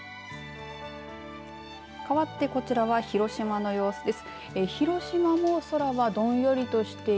かわってこちらは広島の様子です。